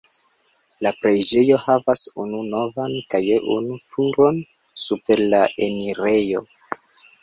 La preĝejo havas unu navon kaj unu turon super la enirejo.